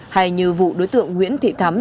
hay như vụ đối tượng nguyễn thị thắm